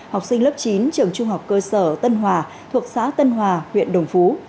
học sinh lớp chín trường trung học cơ sở tân hòa thuộc xã tân hòa huyện đồng phú